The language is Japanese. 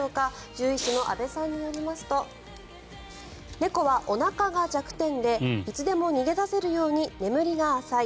獣医師の阿部さんによりますと猫はおなかが弱点でいつでも逃げ出せるように眠りが浅い。